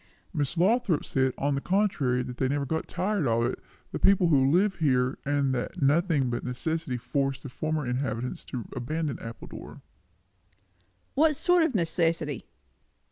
"Miss Lothrop says, on the contrary, that they never get tired of it, the people who live here; and that nothing but necessity forced the former inhabitants to abandon Appledore." "What sort of necessity?"